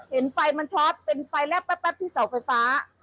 เห็นไฟมันช็อตเป็นไฟแลบแป๊บที่เสาไฟฟ้า